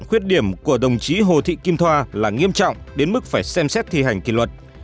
khuyết điểm của đồng chí hồ thị kim thoa là nghiêm trọng đến mức phải xem xét thi hành kỳ luật